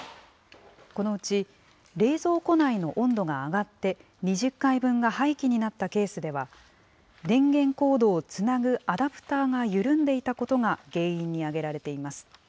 このうち、冷蔵庫内の温度が上がって、２０回分が廃棄になったケースでは、電源コードをつなぐアダプターが緩んでいたことが原因に挙げられています。